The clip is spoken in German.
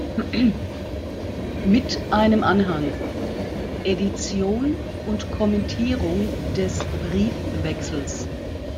Mit einem Anhang: Edition und Kommentierung des Briefwechsels".